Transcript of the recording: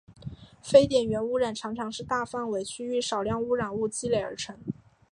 非点源污染常常是大范围区域少量污染物累积而成。